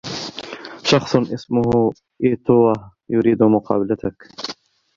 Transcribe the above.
شخص اسمه ايتوه يريد مقابلتك.